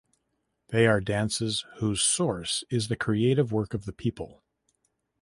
They are dances whose source is the creative work of the people.